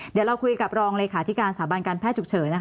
เดี๋ยวเราคุยกับรองเลขาธิการสถาบันการแพทย์ฉุกเฉินนะคะ